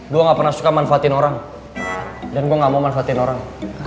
gue gak pernah suka manfaatin orang dan gue gak mau manfaatin orang